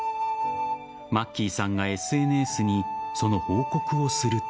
マッキーさんがＳＮＳにその報告をすると。